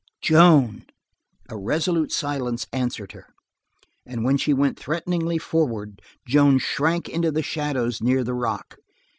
"Joan!" A resolute silence answered her, and when she went threateningly forward, Joan shrank into the shadows near the rock.